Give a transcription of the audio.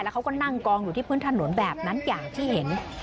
เขาก็นั่งกองอยู่ที่พื้นถนนแบบนั้นอย่างที่เห็น